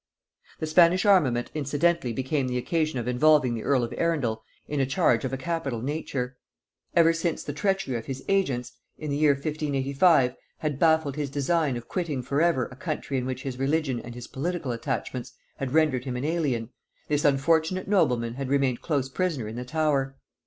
The Spanish armament incidentally became the occasion of involving the earl of Arundel in a charge of a capital nature. Ever since the treachery of his agents, in the year 1585, had baffled his design of quitting for ever a country in which his religion and his political attachments had rendered him an alien, this unfortunate nobleman had remained close prisoner in the Tower.